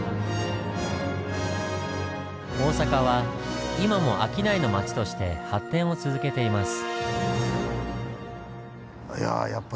大阪は今も商いの町として発展を続けています。